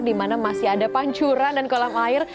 dimana masih ada pancuran dan kolam air